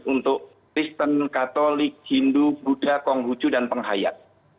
untuk kristen katolik hindu buddha konghucu dan penghayat